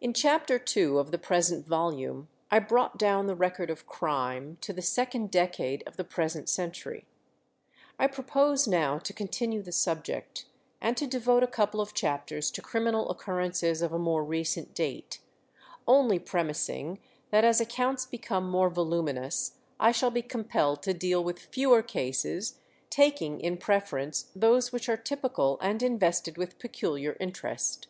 In chapter two of the present volume I brought down the record of crime to the second decade of the present century. I propose now to continue the subject, and to devote a couple of chapters to criminal occurrences of a more recent date, only premising that as accounts become more voluminous I shall be compelled to deal with fewer cases, taking in preference those which are typical and invested with peculiar interest.